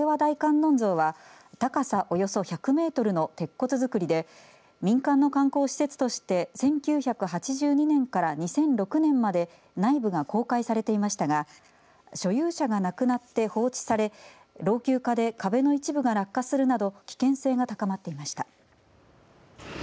音像は高さ、およそ１００メートルの鉄骨造りで民間の観光施設として１９８２年から２００６年まで内部が公開されていましたが所有者が亡くなって放置され老朽化で壁の一部が落下するなど危険性が高まっていました。